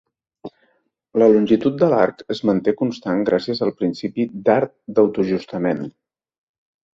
La longitud de l'arc es manté constant gràcies al principi d'arc d'autoajustament.